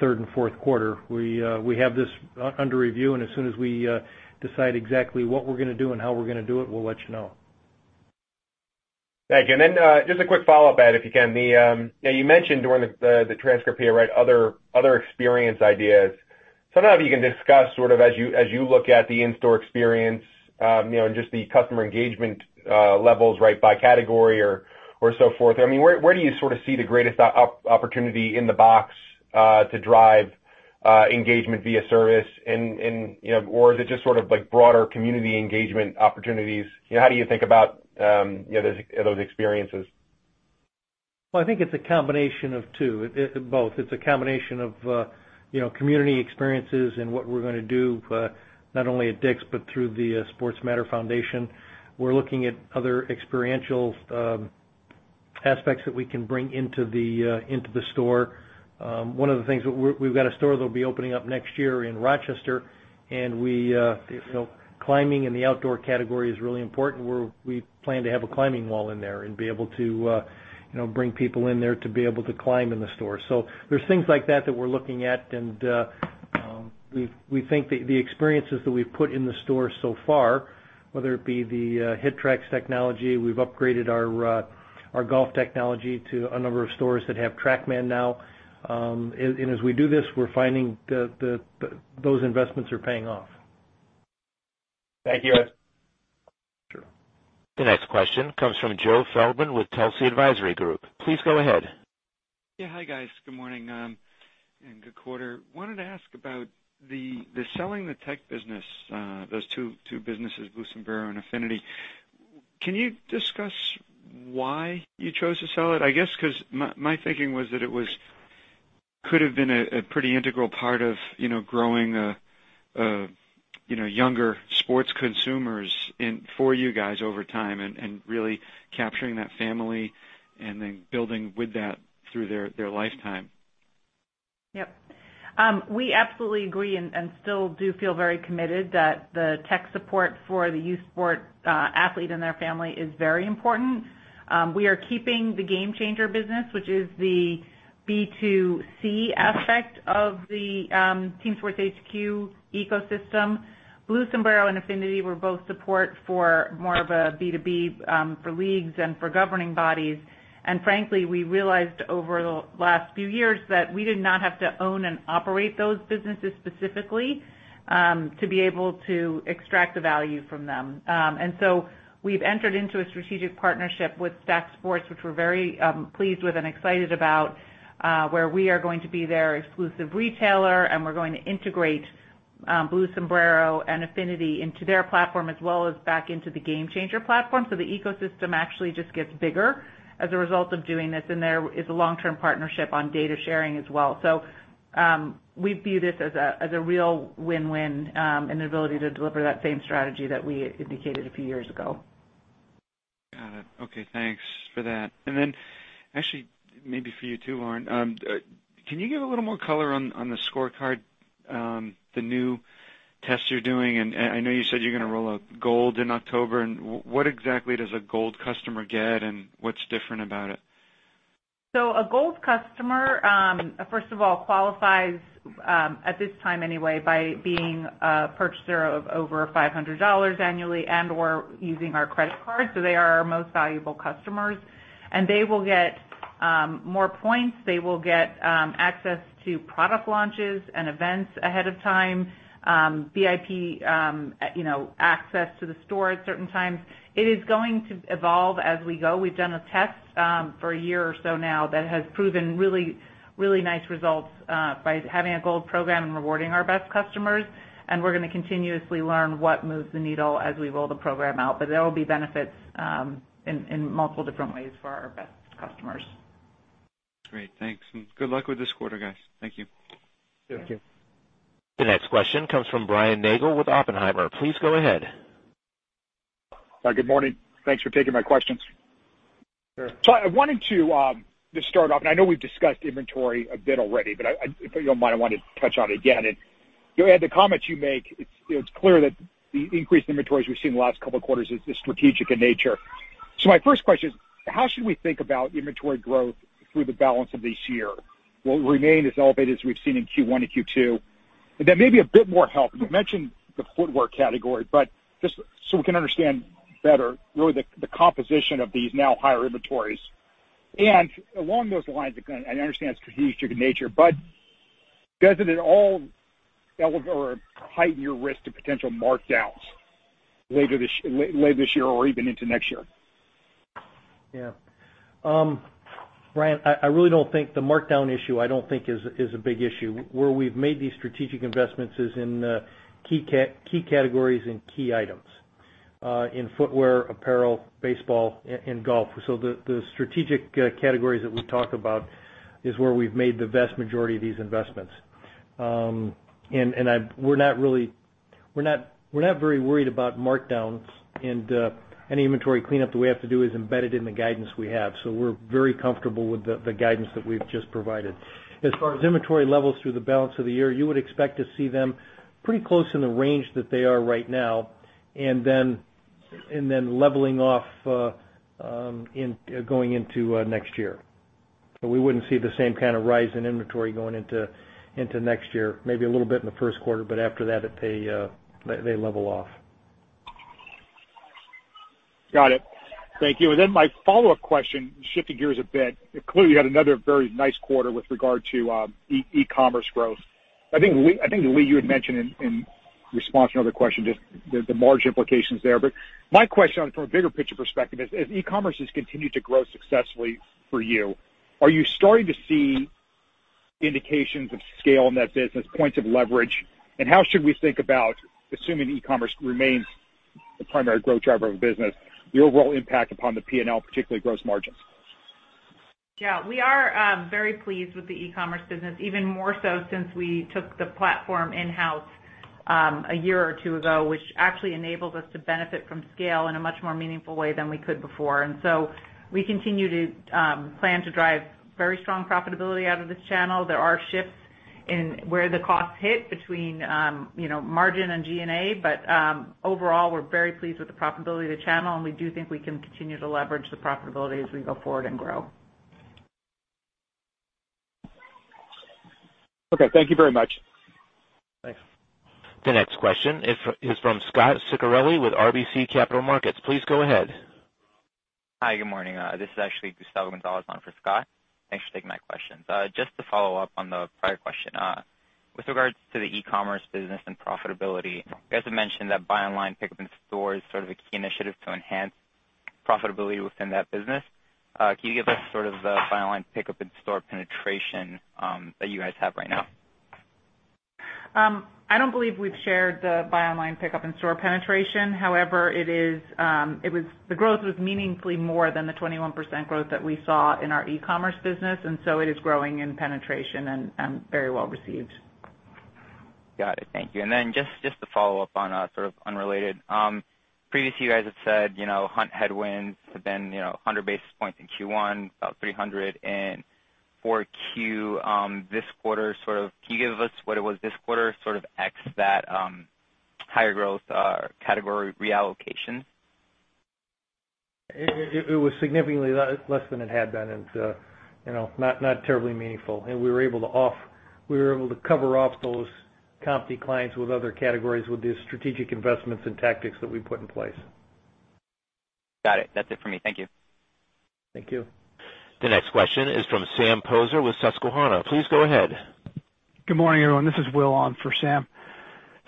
Speaker 3: third and fourth quarter. We have this under review, and as soon as we decide exactly what we're going to do and how we're going to do it, we'll let you know.
Speaker 13: Thank you. Just a quick follow-up, Ed, if you can. You mentioned during the transcript here other experience ideas. Now, if you can discuss, sort of as you look at the in-store experience, and just the customer engagement levels by category or so forth. Where do you sort of see the greatest opportunity in the box to drive engagement via service and, or is it just sort of broader community engagement opportunities? How do you think about those experiences?
Speaker 3: I think it's a combination of two. Both. It's a combination of community experiences and what we're going to do not only at DICK'S but through the Sports Matter Foundation. We're looking at other experiential aspects that we can bring into the store. One of the things, we've got a store that will be opening up next year in Rochester, and climbing in the outdoor category is really important, where we plan to have a climbing wall in there and be able to bring people in there to be able to climb in the store. There's things like that that we're looking at, and we think the experiences that we've put in the store so far, whether it be the HitTrax technology, we've upgraded our golf technology to a number of stores that have TrackMan now. As we do this, we're finding those investments are paying off.
Speaker 13: Thank you, Ed.
Speaker 3: Sure.
Speaker 1: The next question comes from Joe Feldman with Telsey Advisory Group. Please go ahead.
Speaker 14: Yeah. Hi, guys. Good morning and good quarter. Wanted to ask about the selling the tech business, those two businesses, Blue Sombrero and Affinity. Can you discuss why you chose to sell it? I guess because my thinking was that it could have been a pretty integral part of growing younger sports consumers for you guys over time, and really capturing that family and then building with that through their lifetime.
Speaker 4: Yep. We absolutely agree and still do feel very committed that the tech support for the youth sport athlete and their family is very important. We are keeping the GameChanger business, which is the B2C aspect of the Team Sports HQ ecosystem. Blue Sombrero and Affinity were both support for more of a B2B for leagues and for governing bodies. Frankly, we realized over the last few years that we did not have to own and operate those businesses specifically to be able to extract the value from them. We've entered into a strategic partnership with Stack Sports, which we're very pleased with and excited about, where we are going to be their exclusive retailer, and we're going to integrate Blue Sombrero and Affinity into their platform as well as back into the GameChanger platform. The ecosystem actually just gets bigger as a result of doing this, and there is a long-term partnership on data sharing as well. We view this as a real win-win in the ability to deliver that same strategy that we indicated a few years ago.
Speaker 14: Got it. Okay. Thanks for that. Actually, maybe for you too, Lauren, can you give a little more color on the ScoreCard, the new test you're doing? I know you said you're going to roll out Gold in October, and what exactly does a Gold customer get, and what's different about it?
Speaker 4: A Gold customer, first of all, qualifies, at this time anyway, by being a purchaser of over $500 annually and/or using our credit card. They are our most valuable customers, and they will get More points, they will get access to product launches and events ahead of time, VIP access to the store at certain times. It is going to evolve as we go. We've done a test for a year or so now that has proven really nice results by having a gold program and rewarding our best customers, and we're going to continuously learn what moves the needle as we roll the program out. There will be benefits in multiple different ways for our best customers.
Speaker 14: Great. Thanks. Good luck with this quarter, guys. Thank you.
Speaker 3: Thank you.
Speaker 1: The next question comes from Brian Nagel with Oppenheimer. Please go ahead.
Speaker 15: Hi. Good morning. Thanks for taking my questions.
Speaker 3: Sure.
Speaker 15: I wanted to just start off, and I know we've discussed inventory a bit already, but if you don't mind, I wanted to touch on it again. The comments you make, it's clear that the increased inventories we've seen in the last couple of quarters is strategic in nature. My first question is, how should we think about inventory growth through the balance of this year? Will it remain as elevated as we've seen in Q1 and Q2? Then maybe a bit more help, you mentioned the footwear category, but just so we can understand better really the composition of these now higher inventories. Along those lines, again, I understand it's strategic in nature, but doesn't it all elevate or heighten your risk to potential markdowns late this year or even into next year?
Speaker 3: Yeah. Brian, the markdown issue, I don't think is a big issue. Where we've made these strategic investments is in key categories and key items, in footwear, apparel, baseball, and golf. The strategic categories that we talk about is where we've made the vast majority of these investments. We're not very worried about markdowns and any inventory cleanup that we have to do is embedded in the guidance we have. We're very comfortable with the guidance that we've just provided. As far as inventory levels through the balance of the year, you would expect to see them pretty close in the range that they are right now and then leveling off going into next year. We wouldn't see the same kind of rise in inventory going into next year. Maybe a little bit in the first quarter, but after that they level off.
Speaker 15: Got it. Thank you. My follow-up question, shifting gears a bit, clearly you had another very nice quarter with regard to e-commerce growth. I think, Lee, you had mentioned in response to another question, just the margin implications there. My question from a bigger picture perspective is, as e-commerce has continued to grow successfully for you, are you starting to see indications of scale in that business, points of leverage? How should we think about, assuming e-commerce remains the primary growth driver of the business, the overall impact upon the P&L, particularly gross margins?
Speaker 3: Yeah. We are very pleased with the e-commerce business, even more so since we took the platform in-house a year or two ago, which actually enabled us to benefit from scale in a much more meaningful way than we could before. We continue to plan to drive very strong profitability out of this channel. There are shifts in where the costs hit between margin and G&A. Overall, we're very pleased with the profitability of the channel, and we do think we can continue to leverage the profitability as we go forward and grow.
Speaker 15: Okay. Thank you very much.
Speaker 3: Thanks.
Speaker 1: The next question is from Scot Ciccarelli with RBC Capital Markets. Please go ahead.
Speaker 16: Hi, good morning. This is actually Gustavo Gonzalez on for Scot. Thanks for taking my questions. Just to follow up on the prior question, with regards to the e-commerce business and profitability, you guys have mentioned that buy online, pick up in store is sort of a key initiative to enhance profitability within that business. Can you give us the buy online, pick up in store penetration that you guys have right now?
Speaker 3: I don't believe we've shared the buy online, pick up in store penetration. The growth was meaningfully more than the 21% growth that we saw in our e-commerce business, and so it is growing in penetration and very well received.
Speaker 16: Got it. Thank you. Then just to follow up on, sort of unrelated. Previously, you guys have said hunt headwinds have been 100 basis points in Q1, about 300 in 4Q this quarter. Can you give us what it was this quarter, sort of ex that higher growth category reallocation?
Speaker 3: It was significantly less than it had been, and not terribly meaningful. We were able to cover off those comp declines with other categories with the strategic investments and tactics that we put in place.
Speaker 16: Got it. That's it for me. Thank you.
Speaker 3: Thank you.
Speaker 1: The next question is from Sam Poser with Susquehanna. Please go ahead.
Speaker 17: Good morning, everyone. This is Will on for Sam.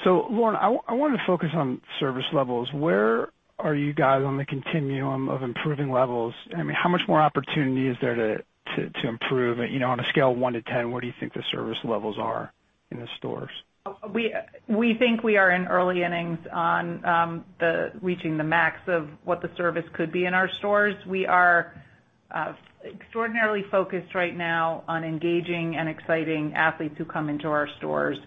Speaker 17: Lauren, I wanted to focus on service levels. Where are you guys on the continuum of improving levels? How much more opportunity is there to improve? On a scale of one to 10, where do you think the service levels are in the stores?
Speaker 4: We think we are in early innings on reaching the max of what the service could be in our stores. We are extraordinarily focused right now on engaging and exciting athletes who come into our stores.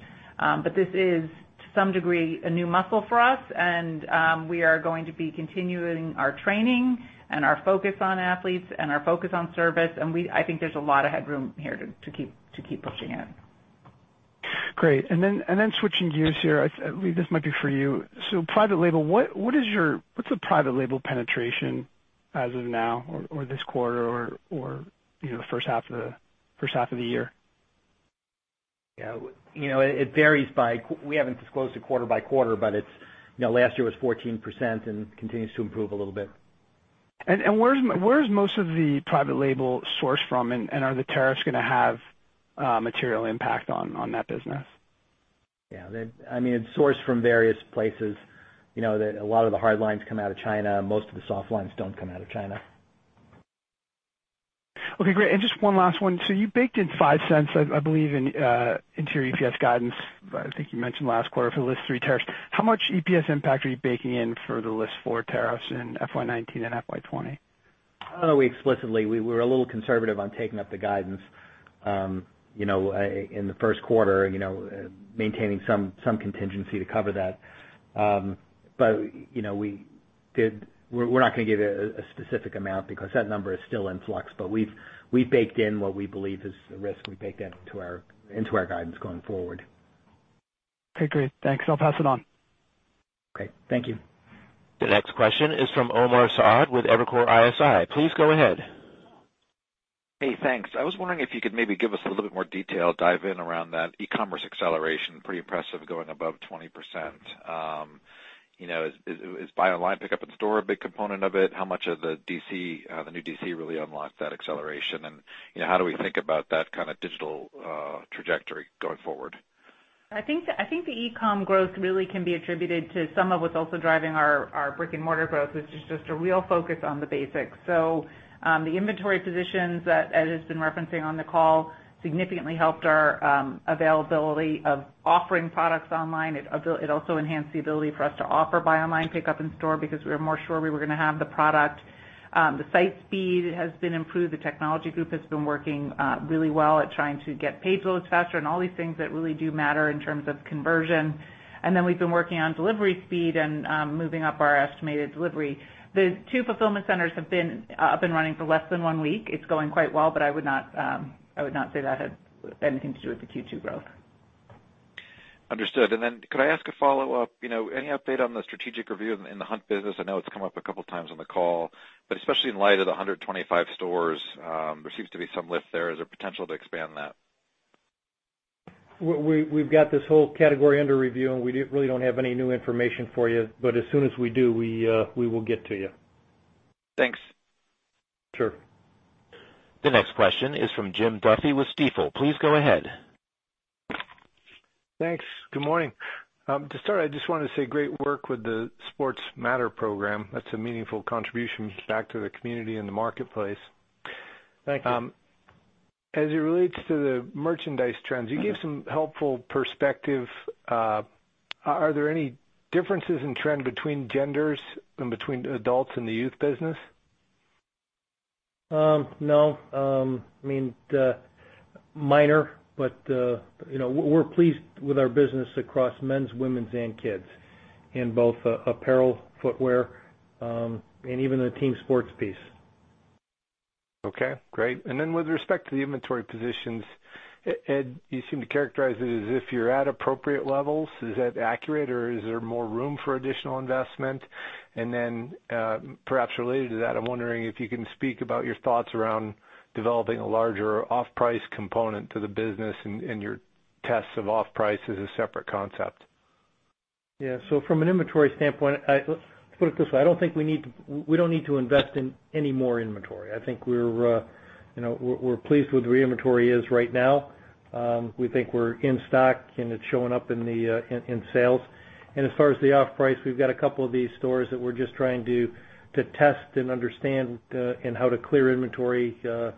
Speaker 4: This is, to some degree, a new muscle for us, and we are going to be continuing our training and our focus on athletes and our focus on service. I think there's a lot of headroom here to keep pushing in.
Speaker 17: Great. Switching gears here. Lee, this might be for you. Private label, what's the private label penetration as of now or this quarter or the first half of the year?
Speaker 5: Yeah. It varies, we haven't disclosed it quarter by quarter, but last year was 14% and continues to improve a little bit.
Speaker 17: Where's most of the private label sourced from, and are the tariffs going to have a material impact on that business?
Speaker 5: Yeah. It's sourced from various places. A lot of the hardlines come out of China. Most of the soft lines don't come out of China.
Speaker 17: Okay, great. Just one last one. You baked in $0.05, I believe, into your EPS guidance. I think you mentioned last quarter for the List 3 tariffs. How much EPS impact are you baking in for the List 4 tariffs in FY 2019 and FY 2020?
Speaker 5: I don't know explicitly. We were a little conservative on taking up the guidance in the first quarter, maintaining some contingency to cover that. We're not going to give a specific amount because that number is still in flux, but we've baked in what we believe is the risk. We baked that into our guidance going forward.
Speaker 17: Okay, great. Thanks. I'll pass it on.
Speaker 5: Okay. Thank you.
Speaker 1: The next question is from Omar Saad with Evercore ISI. Please go ahead.
Speaker 18: Hey, thanks. I was wondering if you could maybe give us a little bit more detail, dive in around that e-commerce acceleration. Pretty impressive going above 20%. Is buy online, pickup in store a big component of it? How much of the new DC really unlocks that acceleration, and how do we think about that kind of digital trajectory going forward?
Speaker 4: I think the e-com growth really can be attributed to some of what's also driving our brick and mortar growth, which is just a real focus on the basics. The inventory positions that Ed has been referencing on the call significantly helped our availability of offering products online. It also enhanced the ability for us to offer buy online, pickup in store because we were more sure we were going to have the product. The site speed has been improved. The technology group has been working really well at trying to get page loads faster and all these things that really do matter in terms of conversion. We've been working on delivery speed and moving up our estimated delivery. The two fulfillment centers have been up and running for less than one week. It's going quite well, but I would not say that had anything to do with the Q2 growth.
Speaker 18: Understood. Could I ask a follow-up? Any update on the strategic review in the hunt business? I know it's come up a couple of times on the call, but especially in light of the 125 stores, there seems to be some lift there. Is there potential to expand that?
Speaker 3: We've got this whole category under review, and we really don't have any new information for you, but as soon as we do, we will get to you.
Speaker 18: Thanks.
Speaker 3: Sure.
Speaker 1: The next question is from Jim Duffy with Stifel. Please go ahead.
Speaker 19: Thanks. Good morning. To start, I just wanted to say great work with the Sports Matter program. That's a meaningful contribution back to the community and the marketplace.
Speaker 3: Thank you.
Speaker 19: As it relates to the merchandise trends, you gave some helpful perspective. Are there any differences in trend between genders and between adults and the youth business?
Speaker 3: No. Minor, but we're pleased with our business across men's, women's, and kids in both apparel, footwear, and even the team sports piece.
Speaker 19: Okay, great. With respect to the inventory positions, Ed, you seem to characterize it as if you're at appropriate levels. Is that accurate, or is there more room for additional investment? Perhaps related to that, I'm wondering if you can speak about your thoughts around developing a larger off-price component to the business and your tests of off-price as a separate concept.
Speaker 3: From an inventory standpoint, let's put it this way. We don't need to invest in any more inventory. I think we're pleased with where inventory is right now. We think we're in stock, and it's showing up in sales. As far as the off-price, we've got a couple of these stores that we're just trying to test and understand and how to clear inventory to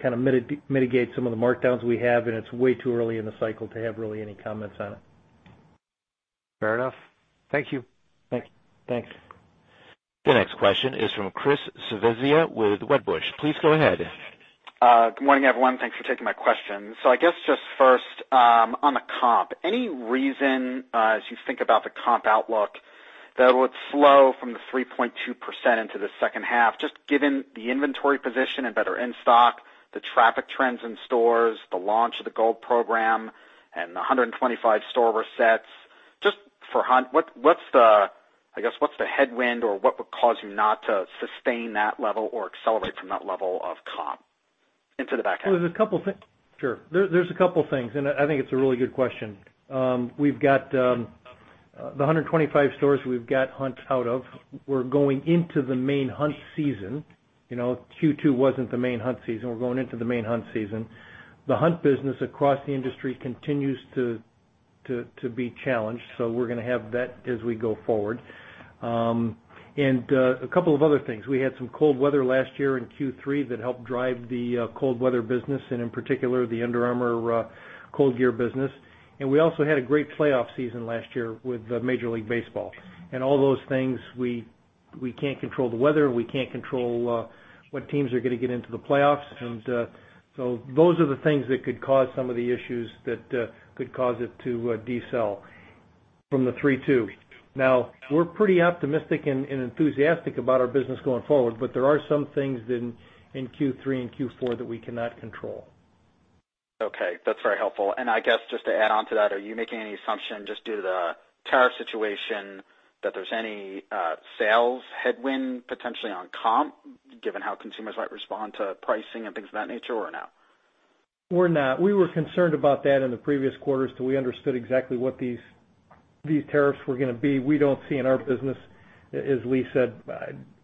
Speaker 3: kind of mitigate some of the markdowns we have, and it's way too early in the cycle to have really any comments on it.
Speaker 19: Fair enough. Thank you.
Speaker 3: Thanks.
Speaker 1: The next question is from Chris Savizia with Wedbush. Please go ahead.
Speaker 20: Good morning, everyone. Thanks for taking my question. I guess just first, on the comp. Any reason, as you think about the comp outlook, that it would slow from the 3.2% into the second half, just given the inventory position and better in-stock, the traffic trends in stores, the launch of the Gold Program and the 125 store resets. Just for Hunt, I guess, what's the headwind, or what would cause you not to sustain that level or accelerate from that level of comp into the back end?
Speaker 3: Sure. There's a couple things, and I think it's a really good question. We've got the 125 stores we've got Hunt out of. We're going into the main Hunt season. Q2 wasn't the main Hunt season. We're going into the main Hunt season. The Hunt business across the industry continues to be challenged, so we're going to have that as we go forward. A couple of other things. We had some cold weather last year in Q3 that helped drive the cold weather business, and in particular, the Under Armour ColdGear business. We also had a great playoff season last year with Major League Baseball. All those things, we can't control the weather, we can't control what teams are going to get into the playoffs. Those are the things that could cause some of the issues that could cause it to decel from the 3.2%. We're pretty optimistic and enthusiastic about our business going forward, but there are some things in Q3 and Q4 that we cannot control.
Speaker 20: Okay, that's very helpful. I guess just to add on to that, are you making any assumption just due to the tariff situation that there's any sales headwind potentially on comp, given how consumers might respond to pricing and things of that nature, or no?
Speaker 3: We're not. We were concerned about that in the previous quarters till we understood exactly what these tariffs were going to be. We don't see in our business, as Lee said,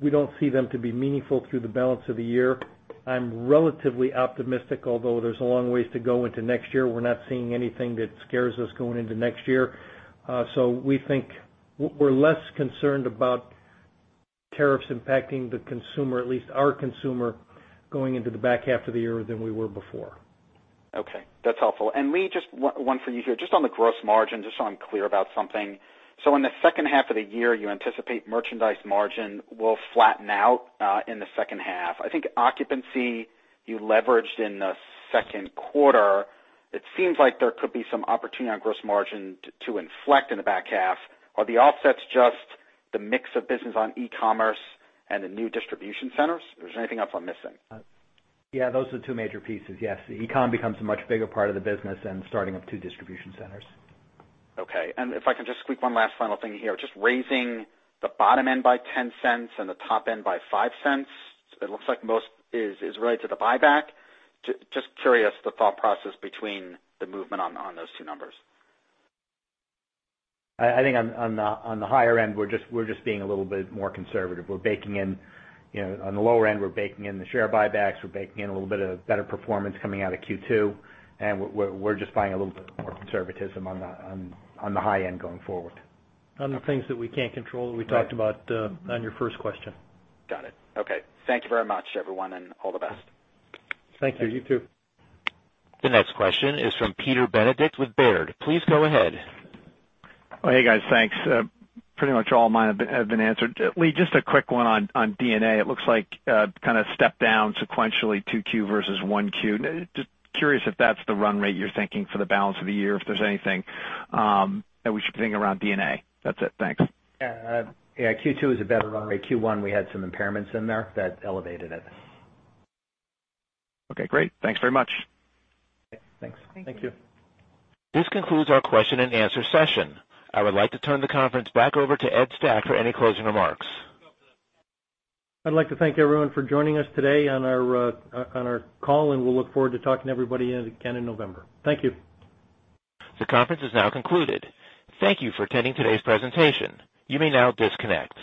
Speaker 3: we don't see them to be meaningful through the balance of the year. I'm relatively optimistic, although there's a long ways to go into next year. We're not seeing anything that scares us going into next year. We think we're less concerned about tariffs impacting the consumer, at least our consumer, going into the back half of the year than we were before.
Speaker 20: Okay. That's helpful. Lee, just one for you here. Just on the gross margin, just so I'm clear about something. In the second half of the year, you anticipate merchandise margin will flatten out in the second half. I think occupancy you leveraged in the second quarter, it seems like there could be some opportunity on gross margin to inflect in the back half. Are the offsets just the mix of business on e-commerce and the new distribution centers? Is there anything else I'm missing?
Speaker 5: Those are the two major pieces. e-com becomes a much bigger part of the business and starting up two distribution centers.
Speaker 20: Okay. If I can just squeak one last final thing here, just raising the bottom end by $0.10 and the top end by $0.05, it looks like most is related to the buyback. Just curious, the thought process between the movement on those two numbers?
Speaker 5: I think on the higher end, we're just being a little bit more conservative. On the lower end, we're baking in the share buybacks. We're baking in a little bit of better performance coming out of Q2, and we're just buying a little bit more conservatism on the high end going forward.
Speaker 3: On the things that we can't control that we talked about on your first question.
Speaker 20: Got it. Okay. Thank you very much, everyone, and all the best.
Speaker 3: Thank you. You too.
Speaker 1: The next question is from Peter Benedict with Baird. Please go ahead.
Speaker 21: Hey, guys. Thanks. Pretty much all mine have been answered. Lee, just a quick one on D&A. It looks like kind of step down sequentially 2Q versus 1Q. Just curious if that's the run rate you're thinking for the balance of the year, if there's anything that we should be thinking around D&A. That's it. Thanks.
Speaker 5: Yeah. Q2 is a better run rate. Q1, we had some impairments in there that elevated it.
Speaker 21: Okay, great. Thanks very much.
Speaker 5: Thanks.
Speaker 3: Thank you.
Speaker 1: This concludes our question and answer session. I would like to turn the conference back over to Ed Stack for any closing remarks.
Speaker 3: I'd like to thank everyone for joining us today on our call, and we'll look forward to talking to everybody again in November. Thank you.
Speaker 1: The conference is now concluded. Thank you for attending today's presentation. You may now disconnect.